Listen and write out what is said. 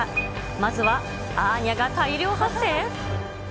まずは、アーニャが大量発生？